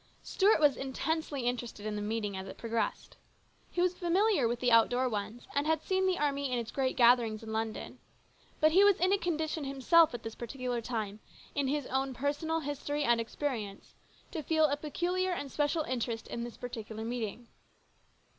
Stuart was intensely interested in the meeting as it progressed. He was familiar with the outdoor ones, and had seen the army in its great gatherings in London, but he was in a condition himself at this particular time, in his own personal history and experience, to feel a peculiar and special interest in this particular meeting.